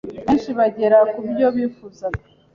benshi bagera kubyo bifuzaga